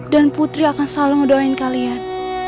dan putri akan selalu ngedoain kalian